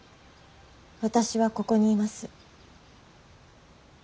私はここにいます。